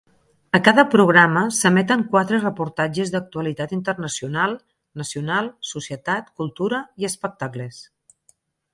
A cada programa s'emeten quatre reportatges d'actualitat internacional, nacional, societat, cultura i espectacles.